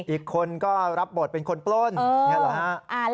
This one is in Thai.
อีกคนก็รับบทเป็นคนปล้นอย่างนี้เหรอ